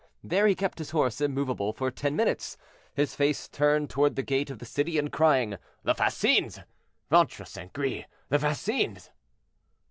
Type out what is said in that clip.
There, he kept his horse immovable for ten minutes, his face turned toward the gate of the city, and crying, "The fascines! ventre St. Gris! the fascines!"